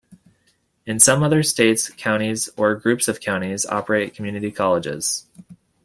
In some other states, counties or groups of counties operate community colleges.